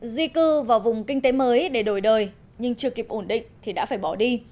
di cư vào vùng kinh tế mới để đổi đời nhưng chưa kịp ổn định thì đã phải bỏ đi